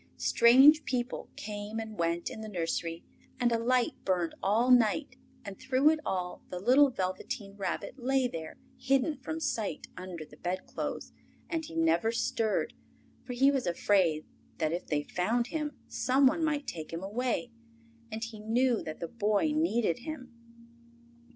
Strange people came and went in the nursery, and a light burned all night and through it all the little Velveteen Rabbit lay there, hidden from sight under the bedclothes, and he never stirred, for he was afraid that if they found him some one might take him away, and he knew that the Boy needed him.